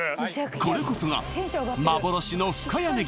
これこそが幻の深谷ねぎ